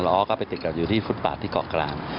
อ้อก็ไปติดกับอยู่ที่ฟุตบาทที่เกาะกลาง